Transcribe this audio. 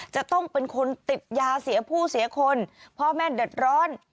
จะต้องเป็นคนติดยาเสียผู้เสียคนพ่อแม่เดือดร้อน